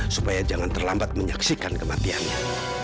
supaya jangan terlambat menyaksikan kematiannya